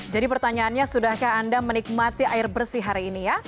jadi pertanyaannya sudahkah anda menikmati air bersih hari ini ya